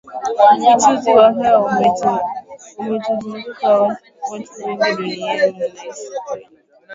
Uchafuzi wa hewa umetuzunguka Watu wengi duniani wanaishi kwenye